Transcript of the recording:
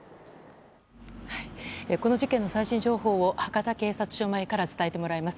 この事件の最新情報を博多警察署前から伝えてもらいます。